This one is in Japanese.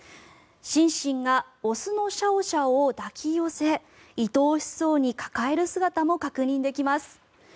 シンシンが雄のシャオシャオを抱き寄せいとおしそうに抱える姿も確認できます。